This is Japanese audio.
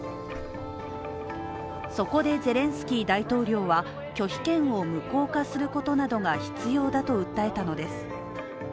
そこで、ゼレンスキー大統領は拒否権を無効化することなどが必要だと訴えたのです。